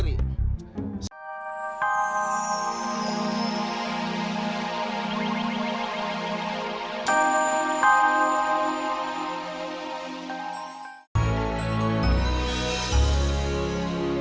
gue sih tahu